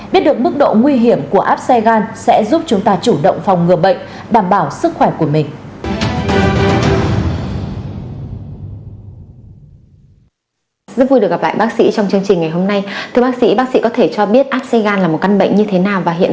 biết được mức độ nguy hiểm của áp xe gan sẽ giúp chúng ta chủ động phòng ngừa bệnh đảm bảo sức khỏe của mình